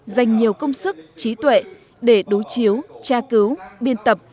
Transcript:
dành nhiều công sức trí tuệ để đối chiếu tra cứu biên tập